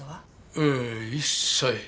ええ一切。